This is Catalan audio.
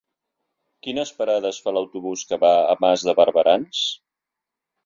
Quines parades fa l'autobús que va a Mas de Barberans?